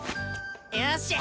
よし！